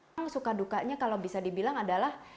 memang suka dukanya kalau bisa dibilang adalah